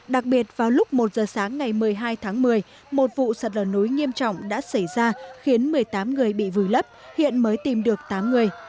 đặc biệt vào lúc một giờ sáng ngày một mươi hai tháng một mươi một vụ sạt lở núi nghiêm trọng đã xảy ra khiến một mươi tám người bị vùi lấp hiện mới tìm được tám người